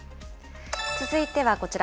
続いてはこちら。